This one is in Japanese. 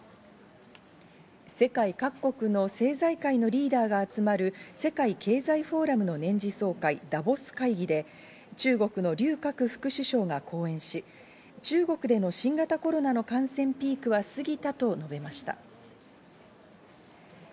世界各国の政財界のリーダーが集まる世界経済フォーラムの年次総会、ダボス会議で、中国のリュウ・カク副首相が講演し、中国での新型コロナの感染ピークは過ぎたと述べました。